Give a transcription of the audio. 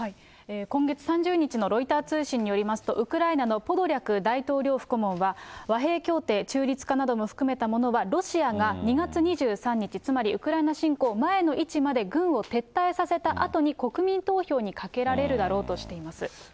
今月３０日のロイター通信によりますと、ウクライナのポドリャク大統領府顧問は、和平協定、中立化なども含めたものは、ロシアが２月２３日、つまりウクライナ侵攻前の位置まで軍を撤退させたあとに、国民投票にかけられるだろうとしています。